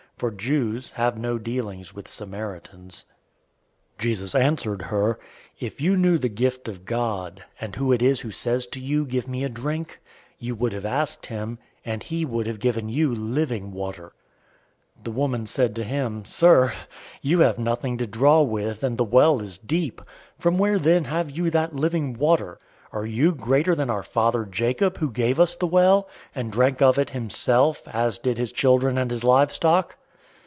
(For Jews have no dealings with Samaritans.) 004:010 Jesus answered her, "If you knew the gift of God, and who it is who says to you, 'Give me a drink,' you would have asked him, and he would have given you living water." 004:011 The woman said to him, "Sir, you have nothing to draw with, and the well is deep. From where then have you that living water? 004:012 Are you greater than our father, Jacob, who gave us the well, and drank of it himself, as did his children, and his livestock?"